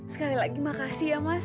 sekali lagi makasih ya mas